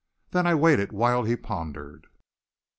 Then I waited while he pondered.